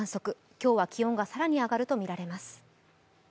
今日は気温が更に上がるとみられます。